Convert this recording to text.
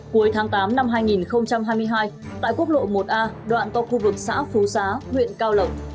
cuối tháng tám năm hai nghìn hai mươi hai tại quốc lộ một a đoạn tộc khu vực xã phú giá huyện cao lậm